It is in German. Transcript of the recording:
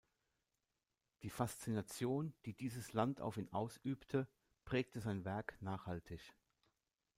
Die Faszination, die dieses Land auf ihn ausübte, prägte sein Werk nachhaltig.